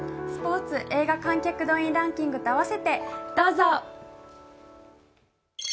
スポーツ映画観客動員ランキングと合わせてどうぞ。